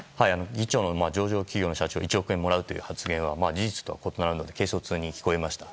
議長の上場企業の社長は１億円もらうという発言は、事実とは異なるので軽率に聞こえました。